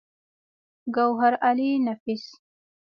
ګوهرعلي نفيس